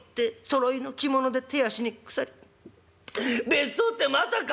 別荘ってまさか」。